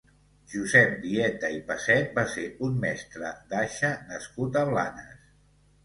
Josep Vieta i Passet va ser un mestre d'aixa nascut a Blanes.